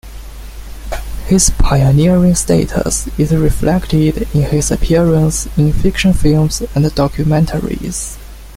His pioneering status is reflected in his appearances in fiction films and documentaries.